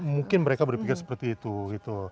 mungkin mereka berpikir seperti itu gitu